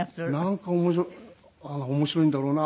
なんか面白い面白いんだろうなって。